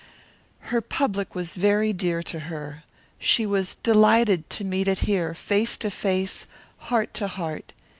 Her public was very dear to her. She was delighted to meet it here, face to face, heart to heart.